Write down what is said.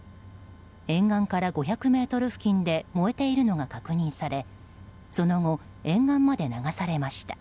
沿岸から５００ｍ付近で燃えているのが確認されその後、沿岸まで流されました。